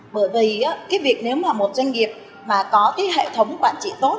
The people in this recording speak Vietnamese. bởi vì nếu một doanh nghiệp có hệ thống quản trị tốt